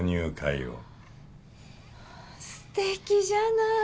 すてきじゃない。